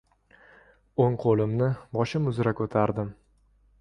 O‘ng qo‘limni boshim uzra ko‘tardim.